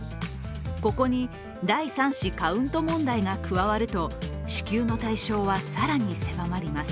ここに第３子カウント問題が加わると支給の対象は更に狭まります。